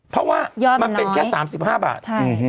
เพราะว่ามันเป็นแค่๓๕บาท